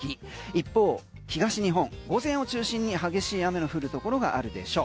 一方、東日本、午前を中心に激しい雨の降るところがあるでしょう。